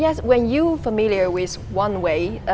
ya ketika kamu familiar dengan satu cara